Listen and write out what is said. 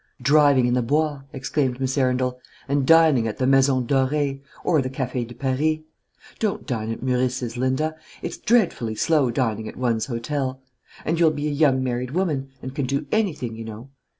"Driving in the Bois," exclaimed Miss Arundel; "and dining at the Maison Dorée, or the Café de Paris. Don't dine at Meurice's, Linda; it's dreadfully slow dining at one's hotel. And you'll be a young married woman, and can do anything, you know.